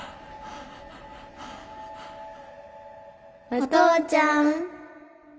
お父ちゃん。